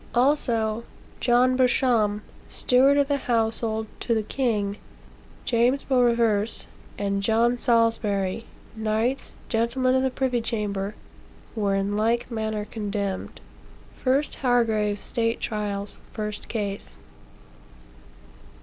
Also, "John Beauchamp, steward of the household to the king, James Beroverse, and John Salisbury; knights, gentlemen of the privy chamber, were in like manner condemned." 1 Hargrave's State Trials, first case.